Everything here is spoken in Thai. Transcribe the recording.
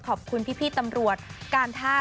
ขอบคุณพี่ตำรวจการท่า